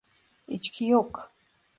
İçki yok.